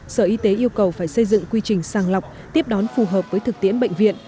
sở y tế yêu cầu phải xây dựng quy trình sàng lọc tiếp đón phù hợp với thực tiễn bệnh viện